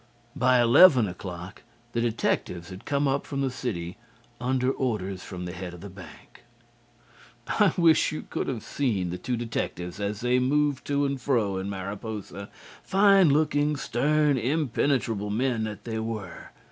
By eleven o'clock the detectives had come up from the city under orders from the head of the bank. I wish you could have seen the two detectives as they moved to and fro in Mariposa fine looking, stern, impenetrable men that they were.